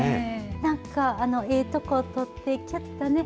なんか、ええとこを取って、きゅっとね。